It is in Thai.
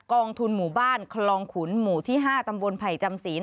องทุนหมู่บ้านคลองขุนหมู่ที่๕ตำบลไผ่จำศีล